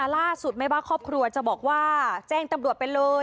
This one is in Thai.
ล่าสุดไม่ว่าครอบครัวจะบอกว่าแจ้งตำรวจไปเลย